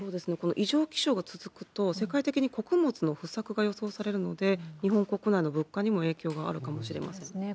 異常気象が続くと、世界的に穀物の不作が予測されるので、日本国内の物価にも影響がそうですね。